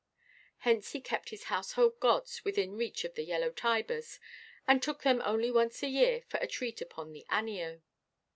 Hence he kept his household gods within reach of the yellow Tibers, and took them only once a year for a treat upon the Anio.